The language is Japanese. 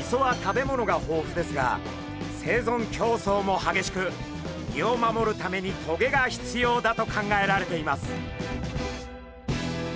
磯は食べ物が豊富ですが生存競争も激しく身を守るために棘が必要だと考えられています。